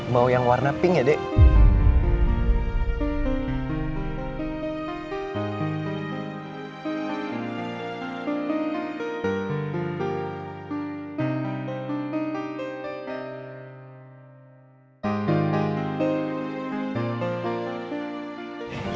mau yang warna pink ya dek